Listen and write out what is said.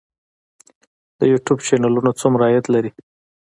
د یوټیوب چینلونه څومره عاید لري؟